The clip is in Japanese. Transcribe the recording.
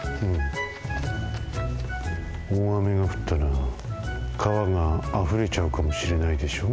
おおあめがふったらかわがあふれちゃうかもしれないでしょ。